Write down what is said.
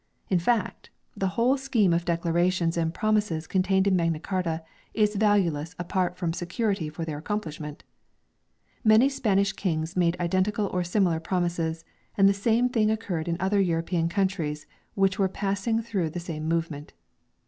In fact, the whole scheme of declarations and promises contained in Magna Carta is valueless apart from security for their accomplishment Many Spanish kings made identical or similar promises, and the same thing occurred in other European countries which were passing through the same movement.